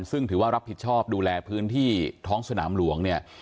ซึ่งถือว่ารับผิดชอบดูแลพื้นที่ท้องสนามหลวงเนี่ย